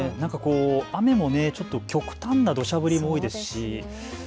雨もちょっと極端などしゃ降りも多いですし